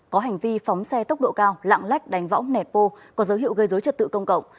có hành vi phóng xe tốc độ cao lạng lách đánh võng nẹt bô có dấu hiệu gây dối trật tự công cộng